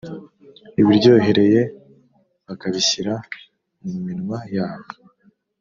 ibiryohereye bakabishyira mu minwa yabo